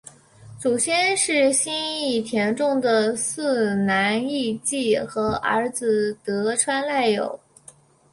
祖先是新田义重的四男义季和儿子得川赖有。